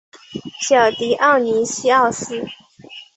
小狄奥尼西奥斯。